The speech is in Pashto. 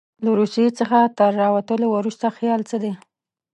له روسیې څخه تر راوتلو وروسته خیال څه دی.